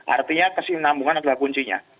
artinya kesinambungan adalah kuncinya